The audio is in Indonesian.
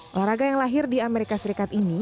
olahraga yang lahir di amerika serikat ini